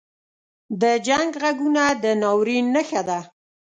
• د جنګ ږغونه د ناورین نښه ده.